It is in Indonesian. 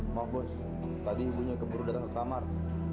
maaf bos tadi ibunya keburu datang ke tamar